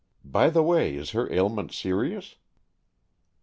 By the way, is her ailment serious?"